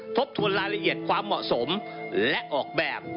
ทบทวนรายละเอียดความเหมาะสมและออกแบบ